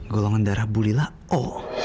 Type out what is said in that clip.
golongan darah bulila o